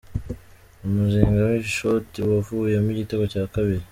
Umuzinga w'ishoti wavuyemo igitego cya kabiri.